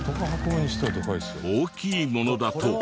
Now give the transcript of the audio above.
大きいものだと。